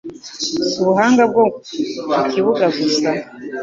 si ubuhanga bwo mu kibuga gusa